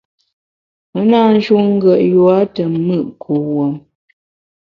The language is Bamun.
Me na njun ngùet yua te mùt kuwuom.